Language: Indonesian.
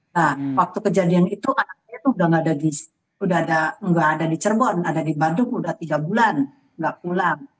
nah waktu kejadian itu anaknya itu udah nggak ada di cirebon ada di bandung udah tiga bulan nggak pulang